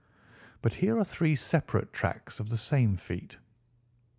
But here are three separate tracks of the same feet."